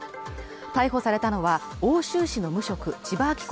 逮捕されたのは奥州市の無職千葉明子